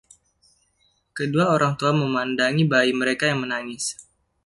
Kedua orang tua memandangi bayi mereka yang menangis.